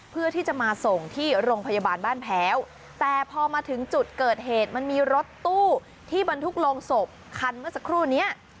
เพื่อที่จะมาส่งที่โรงพยาบาลบ้านแพ้วแต่พอมาถึงจุดเกิดเหตุมันมีรถตู้ที่บรรทุกลงศพคันเมื่อสักครู่นี้